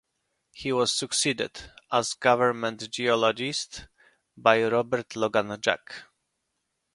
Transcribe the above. He was succeeded as government geologist by Robert Logan Jack.